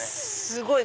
すごい！